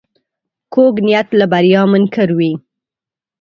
کوږ نیت له بریا منکر وي